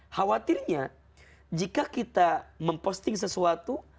khawatirnya jika kita memposting sesuatu